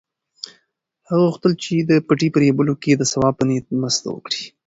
هغه غوښتل چې د پټي په رېبلو کې د ثواب په نیت مرسته وکړي.